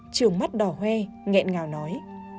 trường mắt đỏ hoe nghẹn ngào nói